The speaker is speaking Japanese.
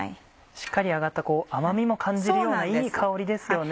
しっかり揚がった甘みも感じるようないい香りですよね。